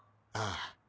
ああ。